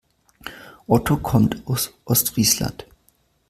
Otto kommt aus Ostfriesland.